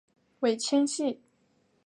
尾纤细。